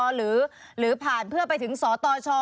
หรือผ่านเพื่อไปถึงสตช